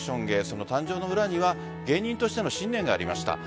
その誕生の裏には芸人としての信念がありました。